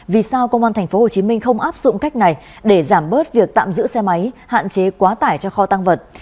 vì sao công an tp hcm không áp dụng cách này để giảm bớt việc tạm giữ xe máy hạn chế quá tải cho kho tăng vật